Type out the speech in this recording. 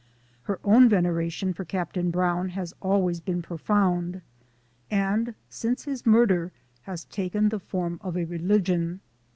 " Her own veneration for Captain Brown has always been profound, and since his murder, has taken the form of a religion.